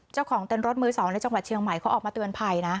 เจ้าของเต้นรถมือ๒ในจังหวัดเชียงใหม่เขาออกมาเตือนภัยนะ